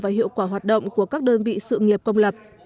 và hiệu quả hoạt động của các đơn vị sự nghiệp công lập